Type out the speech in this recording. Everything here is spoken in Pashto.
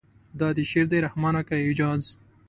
دا دې شعر دی رحمانه که اعجاز.